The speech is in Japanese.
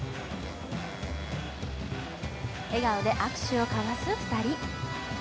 笑顔で握手を交わす２人。